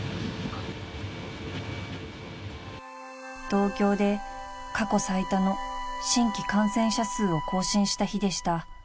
［東京で過去最多の新規感染者数を更新した日でした］